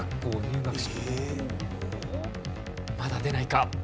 まだ出ないか？